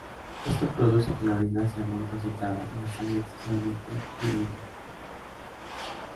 Esto produce que la orina sea muy concentrada y la sangre excesivamente diluida.